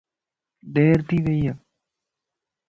دير ٿي وئي يَ